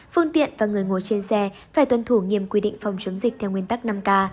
phương tiện và người ngồi trên xe phải tuân thủ nghiêm quy định phòng chống dịch theo nguyên tắc năm k